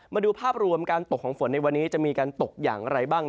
มาดูภาพรวมการตกของฝนในวันนี้จะมีการตกอย่างไรบ้าง